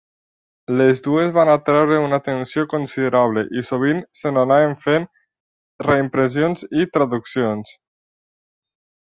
Les dues van atreure una atenció considerable i sovint se n'anaven fent reimpressions i traduccions.